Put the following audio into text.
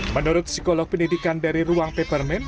menurut psikolog pendidikan dari ruang pepermin